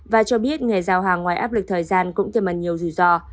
và cho biết nghề giao hàng ngoài áp lực thời gian cũng thêm mần nhiều rủi ro